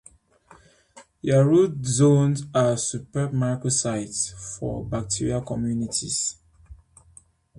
Their root zones are superb micro-sites for bacterial communities.